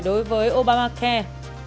đối với obamacare